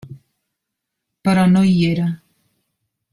Però no hi era.